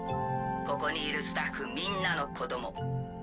ここにいるスタッフみんなの子ども。